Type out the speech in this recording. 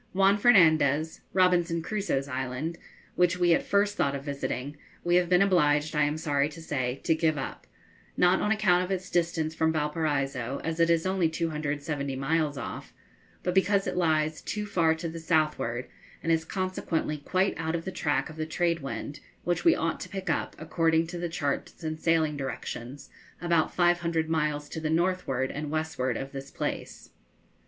Juan Fernandez (Robinson Crusoe's Island), which we at first thought of visiting, we have been obliged, I am sorry to say, to give up, not on account of its distance from Valparaiso, as it is only 270 miles off, but because it lies too far to the southward, and is consequently quite out of the track of the trade wind, which we ought to pick up, according to the charts and sailing directions, about 500 miles to the northward and westward of this place.